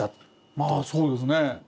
まあそうですね。